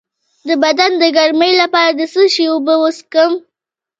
د بدن د ګرمۍ لپاره د څه شي اوبه وڅښم؟